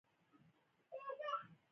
سهار د امیدونو رڼا ده.